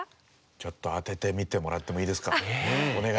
ちょっと当ててみてもらってもいいですか？